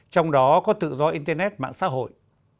trong đó có tự do internet mạng xã hội